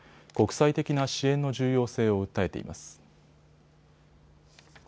国際的な支援の重要性を訴えています。